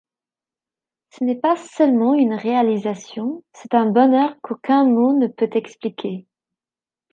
Ce n'est pas seulement une réalisation; C'est un bonheur qu'aucun mot ne peut expliquer.